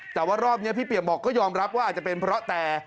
แต่ว่ารอบนี้พี่เปียกบอกก็ยอมรับว่าอาจจะเป็นเพราะแต่